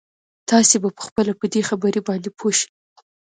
تاسې به خپله په دې خبره باندې پوه شئ.